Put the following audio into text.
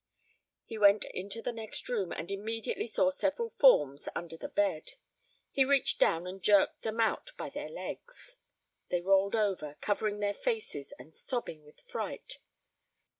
He went into the next room, and immediately saw several forms under the bed. He reached down and jerked them out by their legs. They rolled over, covering their faces and sobbing with fright.